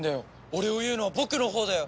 お礼を言うのは僕のほうだよ！